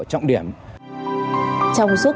trọng điểm trong suốt